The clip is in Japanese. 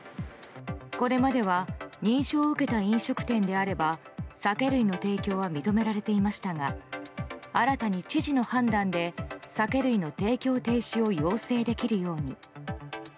これまでは認証を受けた飲食店であれば酒類の提供は認められていましたが新たに、知事の判断で酒類の提供停止を要請できるように。